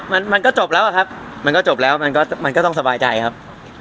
มันมันก็จบแล้วอะครับมันก็จบแล้วมันก็มันก็ต้องสบายใจครับ